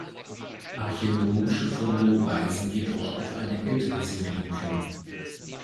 Archäologische Funde weisen jedoch auf eine ältere Siedlung hin.